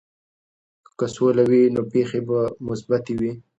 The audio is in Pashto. که سوله وي، نو پېښې به مثبتې وي.